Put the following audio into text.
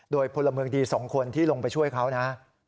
โดยพลเมืองดี๒คนที่ลงไปช่วยเขานะ